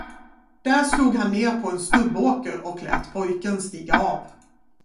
Där slog han ner på en stubbåker och lät pojken stiga av.